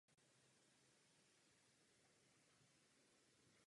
Dosud byly zveřejněny dva oficiální hudební videoklipy.